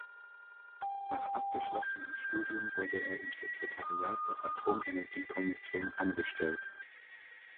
Nach abgeschlossenem Studium wurde er im Sekretariat der Atomenergiekommission angestellt.